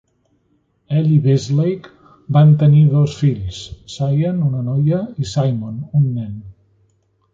Ell i Beazleigh van tenir dos fills, Sian, una noia, i Simon, un nen.